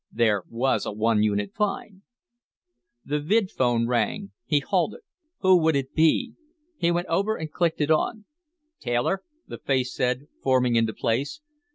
There was a one unit fine The vidphone rang. He halted. Who would it be? He went over and clicked it on. "Taylor?" the face said, forming into place.